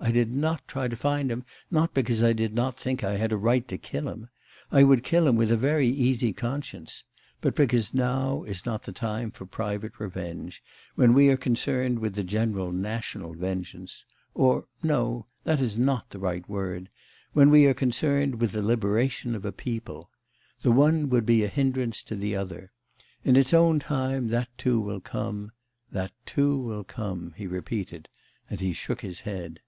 I did not try to find him: not because I did not think I had a right to kill him I would kill him with a very easy conscience but because now is not the time for private revenge, when we are concerned with the general national vengeance or no, that is not the right word when we are concerned with the liberation of a people. The one would be a hindrance to the other. In its own time that, too, will come... that too will come,' he repeated, and he shook his head.